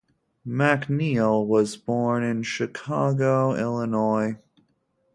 MacNeille was born in Chicago, Illinois.